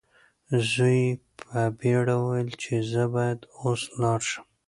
زوی یې په بیړه وویل چې زه باید اوس لاړ شم.